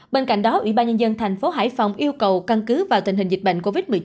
bên cạnh đó ủy ban nhân dân thành phố hải phòng yêu cầu căn cứ vào tình hình dịch bệnh covid một mươi chín